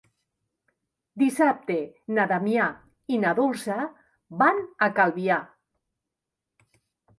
Dissabte na Damià i na Dolça van a Calvià.